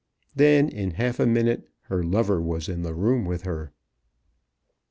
Then, in half a minute, her lover was in the room with her.